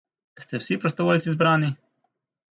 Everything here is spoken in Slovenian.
Ste vsi prostovoljci zbrani?